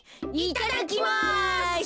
いただきます。